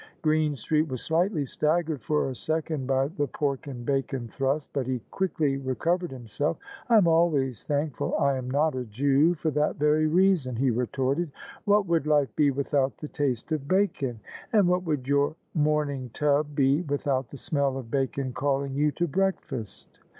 Greenstreet was slig^dy staggered for a second by the pork and'bacon thrust; but he quickly recovered himself. " I am always thankful I am not a Jew for that very reason," he retorted :vidiat would life be without the taste of bacon ; and what would your morning tub be without the smell of bacon calling you to breakfast?